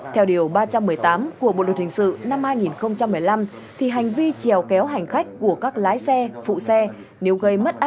theo điều ba trăm một mươi tám của bộ luật hình sự năm hai nghìn một mươi năm thì hành vi chèo kéo hành khách của các lái xe phụ xe nếu gây mất an ninh cho khách